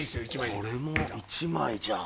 これも１枚じゃん。